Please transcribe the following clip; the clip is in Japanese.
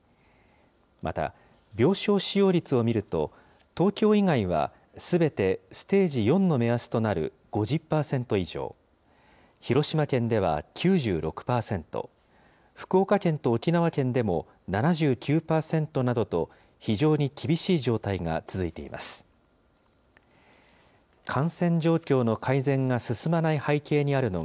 また病床使用率を見ると、東京以外は、すべてステージ４の目安となる５０％以上、広島県では９６％、福岡県と沖縄県でも７９％などと、非常に厳しい状態が続いています。